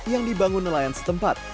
yang dibangun nelayan setempat